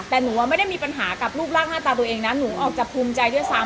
แต่หนูไม่ได้มีปัญหากับรูปร่างหน้าตาตัวเองนะหนูออกจากภูมิใจด้วยซ้ำ